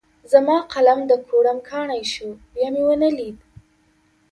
زما قلم د کوړم کاڼی شو؛ بيا مې و نه ليد.